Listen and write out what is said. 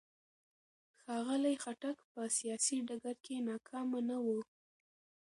ښاغلي خټک په سیاسي ډګر کې ناکامه نه و.